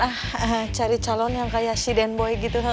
ah cari calon yang kayak si den boy gitu